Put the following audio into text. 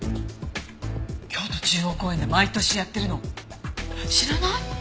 京都中央公園で毎年やってるの知らない？